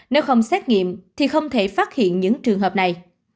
nếu không xét nghiệm thì không thể phát hiện những trường hợp này